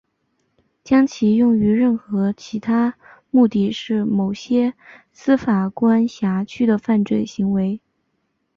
将其用于任何其他目的是某些司法管辖区的犯罪行为。